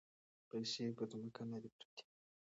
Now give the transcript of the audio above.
پیسې په ځمکه نه دي پرتې.